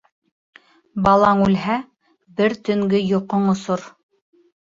Балаң үлһә, бер төнгө йоҡоң осор